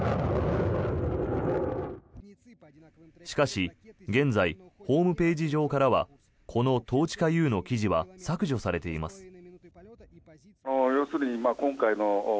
しかし、現在ホームページ上からはこのトーチカＵの記事は削除されています。